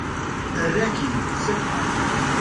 err akin s at kufi